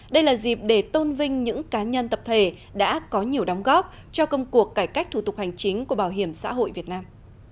đây là dịp để tôn vinh những cá nhân tập thể đã có nhiều đóng góp cho công cuộc cải cách thủ tục hành chính của bảo hiểm xã hội việt nam